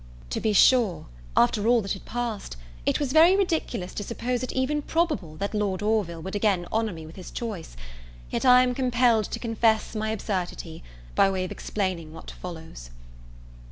To be sure, after all that had passed, it was very ridiculous to suppose it even probable that Lord Orville would again honour me with his choice; yet I am compelled to confess my absurdity, by way of explaining what follows.